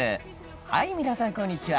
はい皆さんこんにちは。